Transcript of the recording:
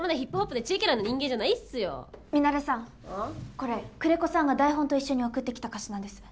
これ久連木さんが台本と一緒に送ってきた歌詞なんです。